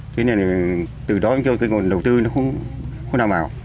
thế nên từ đó cho cái nguồn đầu tư nó không đảm bảo